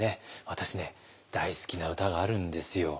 私ね大好きな歌があるんですよ。